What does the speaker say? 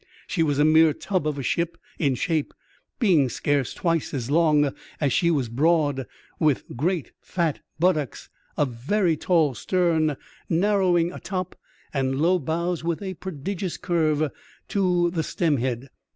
She was a mere tub of a ship in shape, being scarce twice as long as she was broad, with great fat buttocks, a very tall stern narrowing a top, and low bows with a prodigious curve to the stem U EXTHAORDINAILY ADVENTURE OF A CHIEF MATE. head.